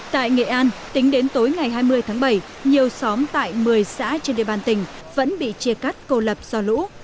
tại nghệ an tính đến tối ngày hai mươi tháng bảy nhiều xóm tại một mươi xã trên địa bàn tỉnh vẫn bị chia cắt cô lập do lũ